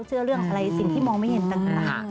เชื่อเรื่องอะไรสิ่งที่มองไม่เห็นต่าง